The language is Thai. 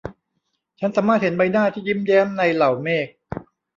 ฉันสามารถเห็นใบหน้าที่ยิ้มแย้มในเหล่าเมฆ